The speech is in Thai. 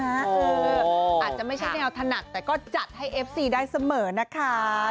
อาจจะไม่ใช่แนวถนัดแต่ก็จัดให้เอฟซีได้เสมอนะคะ